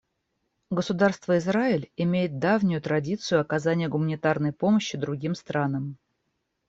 Государство Израиль имеет давнюю традицию оказания гуманитарной помощи другим странам.